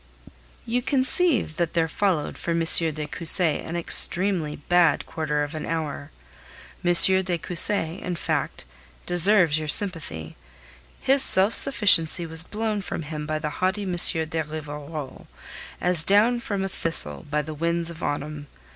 You conceive that there followed for M. de Cussy an extremely bad quarter of an hour. M. de Cussy, in fact, deserves your sympathy. His self sufficiency was blown from him by the haughty M. de Rivarol, as down from a thistle by the winds of autumn.